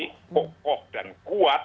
jadi kokoh dan kuat